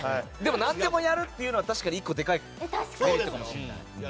なんでもやるっていうのは１個、でかいかもしれない。